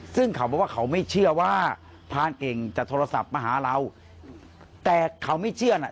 ซึ่งเขาบอกว่าเขาไม่เชื่อว่าพรานเก่งจะโทรศัพท์มาหาเราแต่เขาไม่เชื่อน่ะ